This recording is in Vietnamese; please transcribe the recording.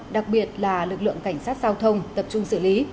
đặc biệt là lực lượng cảnh sát giao thông tập trung xử lý